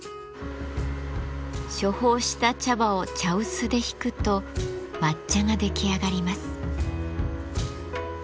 処方した茶葉を茶臼でひくと抹茶が出来上がります。